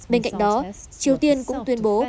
bên cạnh đó triều tiên cũng tuyên bố